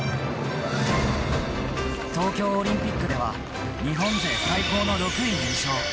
東京オリンピックでは日本勢最高の６位入賞。